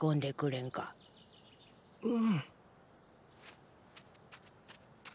うん。